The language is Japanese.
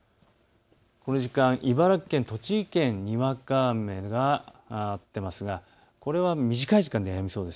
この時間、茨城県、栃木県にわか雨が降っていますがこれは短い時間です。